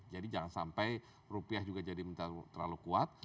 jadi jangan sampai rupiah juga jadi terlalu kuat